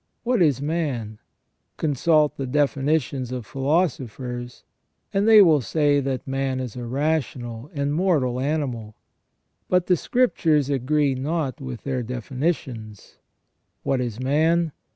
What is man ? Consult the definitions of philosophers, and they will say that man is a rational and mortal animal. But the Scriptures agree not with their definitions. What is man